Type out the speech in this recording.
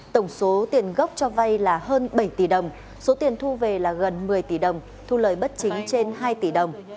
tổng số tiền gốc cho vay là hơn bảy tỷ đồng số tiền thu về là gần một mươi tỷ đồng thu lời bất chính trên hai tỷ đồng